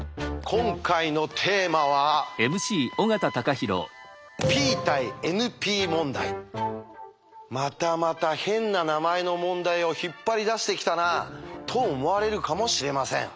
今回のテーマはまたまた変な名前の問題を引っ張り出してきたなと思われるかもしれません。